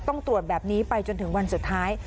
ต้องตรวจแบบนี้ไปจนถึงวันสุดท้าย